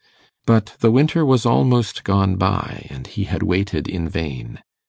But the winter was almost gone by, and he had waited in vain.